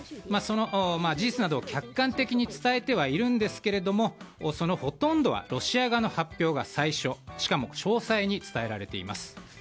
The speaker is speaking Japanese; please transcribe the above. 事実などを客観的に伝えてはいるんですけれどもそのほとんどはロシア側の発表が最初しかも詳細に伝えられています。